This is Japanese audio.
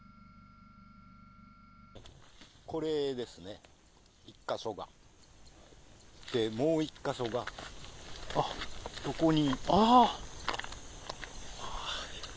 これですね、１か所が、で、もう１か所が、ここに。